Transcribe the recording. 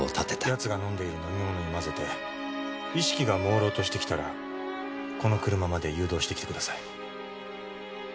奴が飲んでいる飲み物に混ぜて意識が朦朧としてきたらこの車まで誘導してきてください。